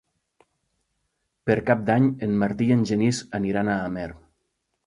Per Cap d'Any en Martí i en Genís aniran a Amer.